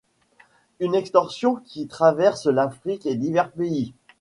Une excursion qui traverse l'Afrique et divers pays.